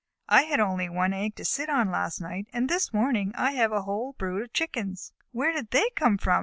"I had only one egg to sit on last night, and this morning I have a whole brood of Chickens." "Where did they come from?"